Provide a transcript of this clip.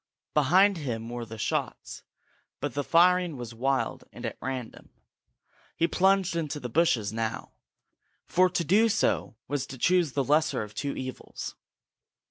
Behind him were the shots, but the firing was wild and at random. He plunged into the bushes now, for to do so was to choose the lesser of two evils.